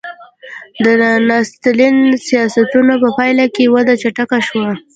د ستالین د سیاستونو په پایله کې وده چټکه شوه